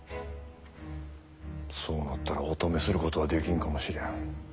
そうなったらお止めすることはできんかもしれん。